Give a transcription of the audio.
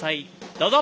どうぞ！